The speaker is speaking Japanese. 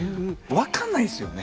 分かんないっすよね。